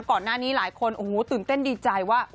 ก่อนหน้านี้หลายคนโอ้โหตื่นเต้นดีใจว่า